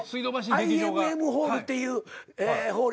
ＩＭＭホールっていうホール。